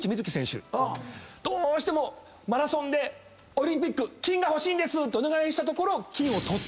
どうしてもマラソンでオリンピック金が欲しいんですとお願いしたところ。